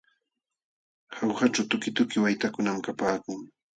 Jaujaćhu tukituki waytakunam kapaakun.